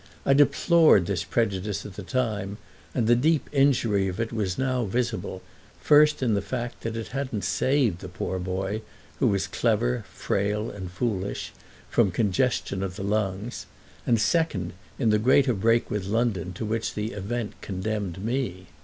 I deplored this prejudice at the time, and the deep injury of it was now visible—first in the fact that it hadn't saved the poor boy, who was clever, frail and foolish, from congestion of the lungs, and second in the greater break with London to which the event condemned me.